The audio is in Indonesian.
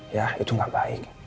ya itu gak baik